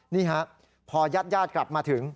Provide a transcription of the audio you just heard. นี่ฮะพอญาติกลับมาถึง